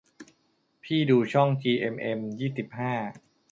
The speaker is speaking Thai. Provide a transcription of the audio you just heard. พี่ดูช่องจีเอ็มเอ็มยี่สิบห้า